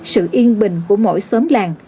sự yên bình của mỗi xóm làng